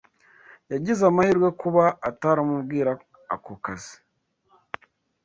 Yagize amahirwe kuba ataramubwira ako kazi